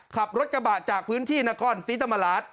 ขับรถกระบะจากพื้นที่นคลตีรถมาลัท